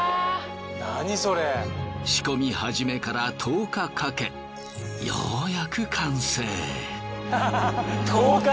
仕込み始めから１０日かけようやく完成。